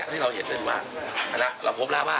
ให้เราหัวเห็นได้ดูว่ามาน่ะเราพบแล้วว่า